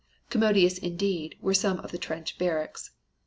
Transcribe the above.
Commodious, indeed, were some of the trench barracks.